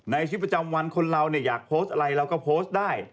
ในชีวิตประจำวันคนเราเนี่ยอยากโพสต์อะไรเราก็โพสต์ได้